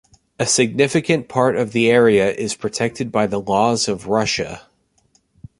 A significant part of the area is protected by the laws of Russia.